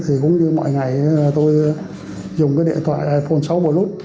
thì cũng như mọi ngày tôi dùng cái điện thoại iphone sáu plus